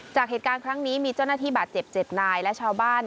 จากเหตุการณ์ครั้งนี้มีเจ้าหน้าที่บาดเจ็บ๗นายและชาวบ้าน